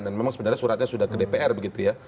dan memang sebenarnya suratnya sudah ke dpr begitu ya